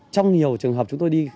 trong nhiều trường hợp chúng tôi đi